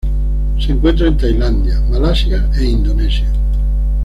Se encuentra en Tailandia, Malasia e Indonesia.